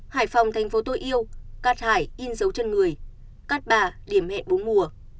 hải phòng thành phố tôi yêu cát hải in dấu chân người cát bà điểm hẹn bốn mùa